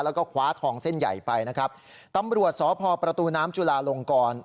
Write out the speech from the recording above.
แล้วก็คว้าทองเส้นใหญ่ไปนะครับตำรวจสพประตูน้ำจุลาลงกร